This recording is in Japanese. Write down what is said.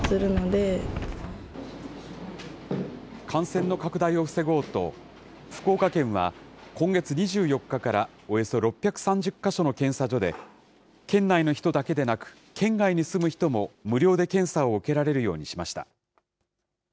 感染の拡大を防ごうと、福岡県は、今月２４日からおよそ６３０か所の検査所で、県内の人だけでなく、県外に住む人も無料で検査を受けられるようにしました。